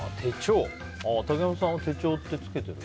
竹山さんは手帳つけてる？